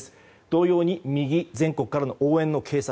同様に右、全国からの応援の警察